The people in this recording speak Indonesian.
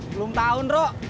belum tau nro